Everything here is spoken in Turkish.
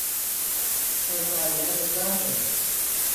Kazaya rıza gerek.